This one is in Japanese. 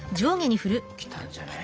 きたんじゃない？